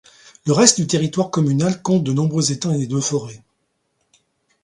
Le reste du territoire communal compte de nombreux étangs et de forêts.